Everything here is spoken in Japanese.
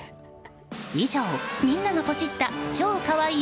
以上、みんながポチッた超かわいい！